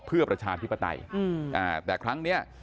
เพื่อประชาธิปไตยแต่ครั้งนี้